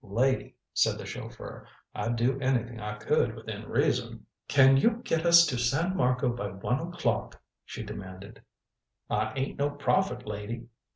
"Lady," said the chauffeur, "I'd do anything I could, within reason " "Can you get us to San Marco by one o'clock?" she demanded. "I ain't no prophet, lady."